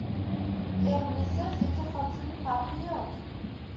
Ermisiz yoki xotin farqi yo‘q.